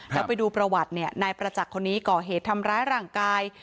แล้วไปดูประวัติเนี่ยนายประจักษ์คนนี้ก่อเหตุทำร้ายร่างกาย